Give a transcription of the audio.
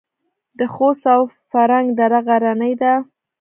د خوست او فرنګ دره غرنۍ ده